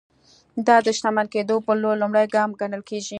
دا د شتمن کېدو پر لور لومړی ګام ګڼل کېږي.